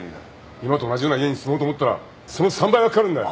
今と同じような家に住もうと思ったらその３倍は掛かるんだよ。